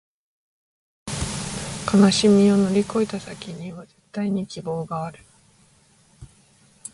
悲しみを乗り越えた先には、絶対に希望がある